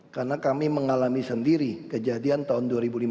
karena kami mengalami sendiri kejadian tahun dua ribu lima belas